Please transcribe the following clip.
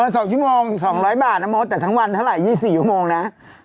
สองชั่วโมงสองร้อยบาทแต่ทั้งวันเท่าไรยี่สี่ชั่วโมงน่ะ